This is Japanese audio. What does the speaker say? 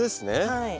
はい。